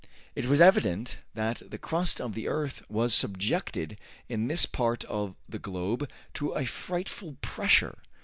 It was evident that the crust of the earth was subjected in this part of the globe to a frightful pressure.